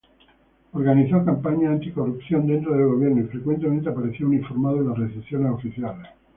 Organizó campañas anti-corrupción dentro del gobierno y frecuentemente aparecía uniformado en las recepciones oficiales.